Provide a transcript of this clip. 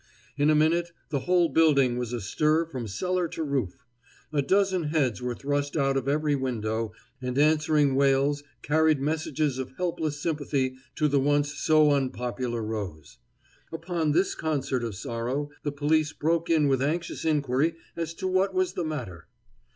In a minute the whole building was astir from cellar to roof. A dozen heads were thrust out of every window, and answering wails carried messages of helpless sympathy to the once so unpopular Rose. Upon this concert of sorrow the police broke in with anxious inquiry as to what was the matter.